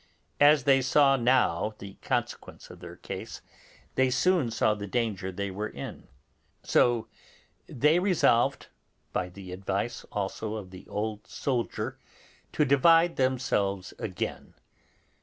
As they saw now the consequence of their case, they soon saw the danger they were in; so they resolved by the advice also of the old soldier to divide themselves again.